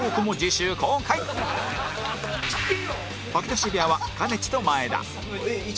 吐き出し部屋はかねちーと真栄田